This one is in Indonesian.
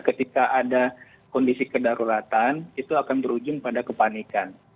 ketika ada kondisi kedaruratan itu akan berujung pada kepanikan